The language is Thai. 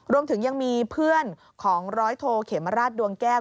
รวมถึงยังมีเพื่อนของร้อยโทเขมราชดวงแก้ว